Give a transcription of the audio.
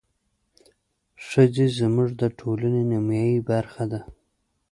ښځې زموږ د ټولنې نيمايي برخه ده.